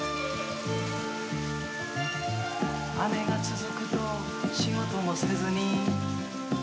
「雨がつづくと仕事もせずに」